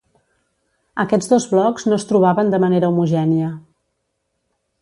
Aquests dos blocs no es trobaven de manera homogènia.